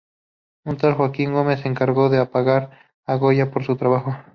Un tal Joaquín Gómez se encargó de pagar a Goya por su trabajo.